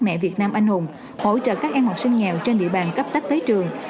mẹ việt nam anh hùng hỗ trợ các em học sinh nghèo trên địa bàn cấp sách tới trường